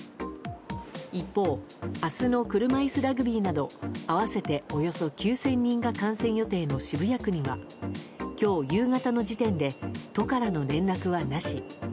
一方、明日の車いすラグビーなど合わせておよそ９０００人が観戦予定の渋谷区には今日夕方の時点で都からの連絡はなし。